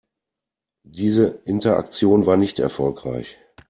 Diese Interaktion war nicht erfolgreich.